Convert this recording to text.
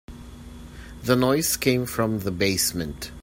The noise came from the basement.